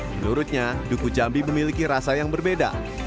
menurutnya duku jambi memiliki rasa yang berbeda